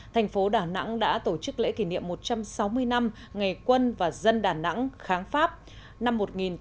thành phố đà nẵng đã tổ chức lễ kỷ niệm một trăm sáu mươi năm ngày quân và dân đà nẵng kháng pháp năm một nghìn tám trăm năm mươi tám hai nghìn một mươi tám